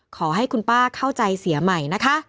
ขอให้คุณป้าเข้าใจเสียใหม่นะคะ